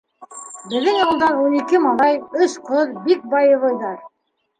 Беҙҙең ауылдан ун ике малай, өс ҡыҙ — бик боевойҙар.